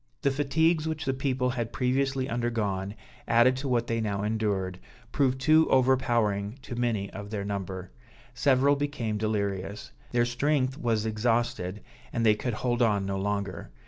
The fatigues which the people had previously undergone, added to what they now endured, proved too overpowering to many of their number; several became delirious; their strength was exhausted, and they could hold on no longer.